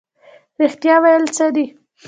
رښتیا ویل څه دي؟